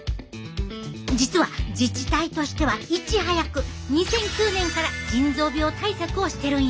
実は自治体としてはいち早く２００９年から腎臓病対策をしてるんや。